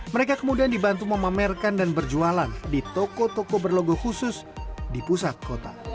mereka kemudian dibantu memamerkan dan berjualan di toko toko berlogo khusus di pusat kota